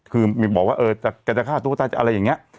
คือบอกว่าแกจะฆ่าตัวตายจะอะไรอย่างนี้